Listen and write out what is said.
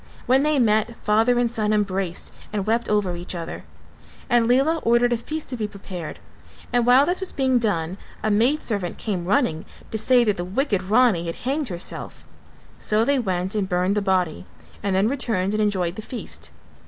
When they met, father and son embraced and wept over each other; and Lela ordered a feast to be prepared and while this was being done a maidservant came running to say that the wicked Rani had hanged herself, so they went and burned the body and then returned and enjoyed the feast.